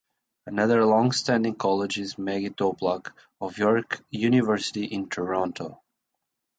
Another longstanding colleague is Maggie Toplak, of York University in Toronto.